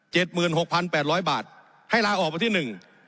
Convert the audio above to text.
หมื่นหกพันแปดร้อยบาทให้ลาออกวันที่หนึ่ง